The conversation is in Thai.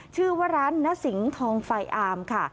ชื่อว่าร้านณศิงธองไฟอาร์มค่ะ